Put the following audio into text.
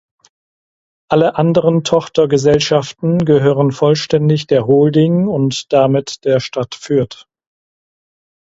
Alle anderen Tochtergesellschaften gehören vollständig der Holding und damit der Stadt Fürth.